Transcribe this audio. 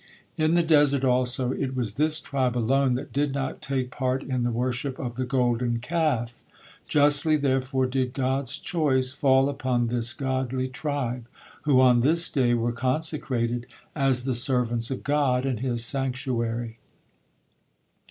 In the desert, also, it was this tribe alone that did not take part in the worship of the Golden Calf. Justly, therefore, did God's choice fall upon this godly tribe, who on this day were consecrated as the servants of God and His sanctuary.